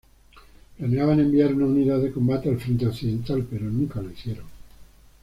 Planeaban enviar una unidad de combate al frente occidental, pero nunca lo hicieron.